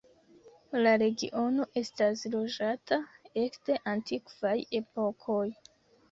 La regiono estas loĝata ekde antikvaj epokoj.